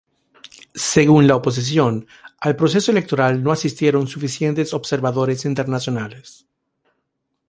Según la oposición, al proceso electoral no asistieron suficientes observadores internacionales.